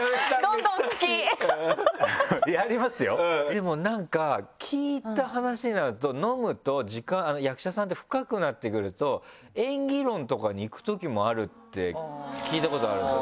でもなんか聞いた話だと飲むと時間役者さんって深くなってくると演技論とかにいくときもあるって聞いたことがあるんですよ